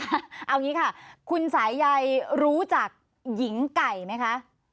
เอาอย่างนี้ค่ะคุณสายใยรู้จักหญิงไก่ไหมคะ